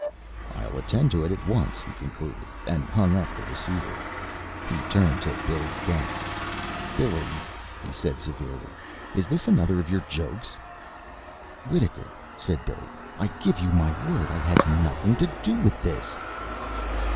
"I'll attend to it at once," he concluded, and hung up the receiver. He turned to Billy Getz. "Billy," he said severely, "is this another of your jokes?" "Wittaker," said Billy, "I give you my word I had nothing to do with this."